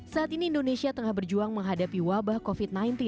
saat ini indonesia tengah berjuang menghadapi wabah covid sembilan belas